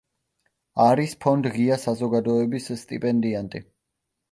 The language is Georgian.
არის ფონდ ღია საზოგადოების სტიპენდიანტი.